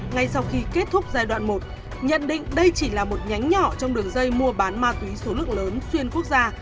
ngay sau khi kết thúc giai đoạn một nhận định đây chỉ là một nhánh nhỏ trong đường dây mua bán ma túy số lượng lớn xuyên quốc gia